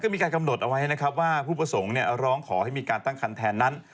มีการกำหนดเอาไว้นะครับว่าผู้ประสงค์ร้องขอให้มีการตั้งคันแทนนั้น